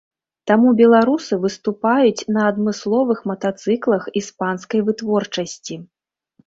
Таму беларусы выступаюць на адмысловых матацыклах іспанскай вытворчасці.